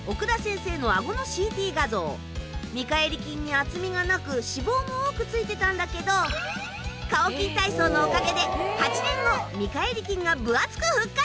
見かえり筋に厚みがなく脂肪も多くついてたんだけどカオキン体操のおかげで８年後見かえり筋が分厚く復活。